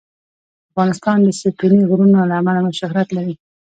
افغانستان د ستوني غرونه له امله شهرت لري.